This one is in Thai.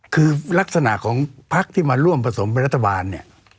คือลักษณะของพักที่มาร่วมผสมเป็นรัฐบาลเนี่ย